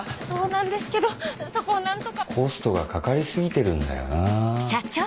そうなんですけどそこを何とか。コストがかかり過ぎてるんだよなぁ。